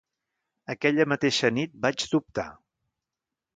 Aquella mateixa nit vaig dubtar.